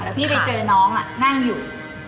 แล้วพี่ไปเจอน้องนั่งอยู่